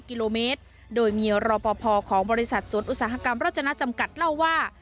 กิโลเมตรโดยมีรอปภของบริษัทสวนอุตสาหกรรมรถจนาจำกัดเล่าว่า